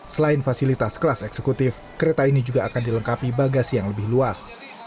selain fasilitas kelas eksekutif kereta ini juga akan dilengkapi bagas yang lebih luas